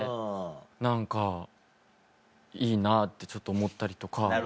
何かいいなってちょっと思ったりとか。